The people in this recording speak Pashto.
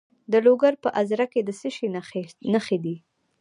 د لوګر په ازره کې د څه شي نښې دي؟